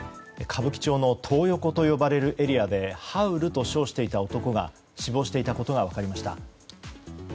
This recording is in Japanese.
歌舞伎町のトー横と呼ばれるエリアでハウルと称していた男が死亡していたことが分かりました。